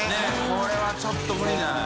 これはちょっと無理じゃない？